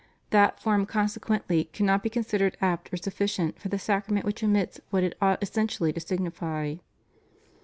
That fonn consequently cannot be considered apt or sufficient for the sacrament which omits what it ought essentially to signify.